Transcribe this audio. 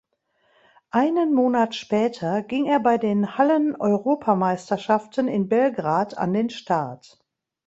Einen Monat später ging er bei den Halleneuropameisterschaften in Belgrad an den Start.